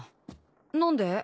何で？